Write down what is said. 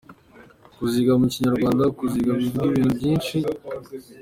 Kuziga : Mu Kinyarwanda kuziga bivuga ibintu byinshi.